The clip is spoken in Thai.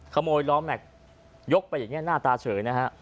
ขโมยล้อแม็กซ์ยกไปอย่างนี้หน้าตาเฉยนะฮะ